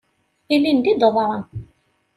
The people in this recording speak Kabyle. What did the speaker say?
Ilindi i d-teḍra.